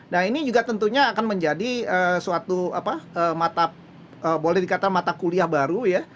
nah ini juga tentunya akan menjadi suatu mata kuliah baru ya